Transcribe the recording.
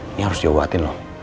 ini harus diobatin loh